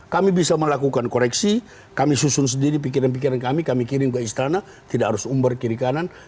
kami bisa melakukan koreksi kami susun sendiri pikiran pikiran kami kami kirim ke istana tidak harus umber kiri kanan